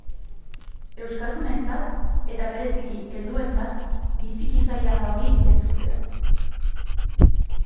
Euskaldunentzat, eta bereziki helduentzat, biziki zaila da hori entzutea.